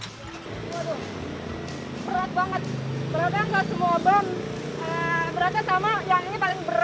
berat banget beratnya nggak semua ban beratnya sama yang ini paling berat